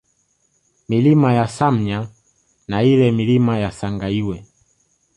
Milima ya Samya na ile Milima ya Sangaiwe